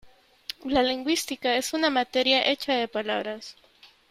La lingüística es una materia hecha de palabras.